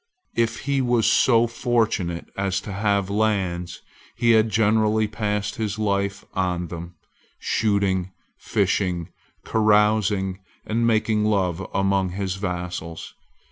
If he was so fortunate as to have lands, he had generally passed his life on them, shooting, fishing, carousing, and making love among his vassals.